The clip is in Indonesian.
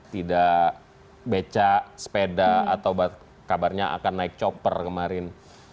tidak beca sepeda atau kabarnya akan naik chopper kemarin